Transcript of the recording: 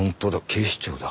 警視庁だ。